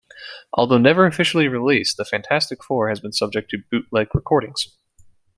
Although never officially released, "The Fantastic Four" has been subject to bootleg recordings.